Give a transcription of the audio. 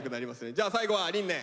じゃあ最後は琳寧。